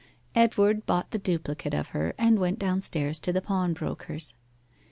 Edward bought the duplicate of her, and went downstairs to the pawnbroker's.